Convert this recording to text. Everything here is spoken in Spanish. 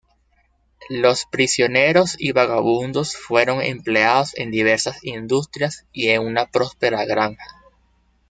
Los prisioneros y vagabundos fueron empleados en diversas industrias y en una próspera granja.